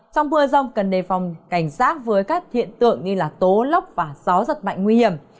trong mưa rông cần đề phòng cảnh sát với các hiện tượng như tố lốc và gió giật mạnh nguy hiểm